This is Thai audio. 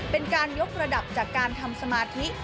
เป็นการยกระดับจากการทำสมาธิ